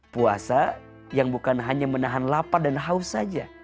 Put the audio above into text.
puasa yang bukan hanya menahan lapar dan haus saja